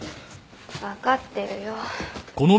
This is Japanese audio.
分かってるよ。